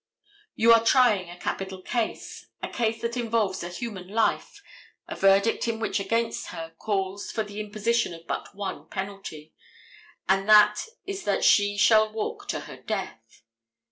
You are trying a capital case, a case that involves a human life, a verdict in which against her calls for the imposition of but one penalty, and that is that she shall walk to her death.